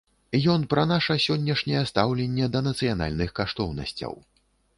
Ён пра наша сённяшняе стаўленне да нацыянальных каштоўнасцяў.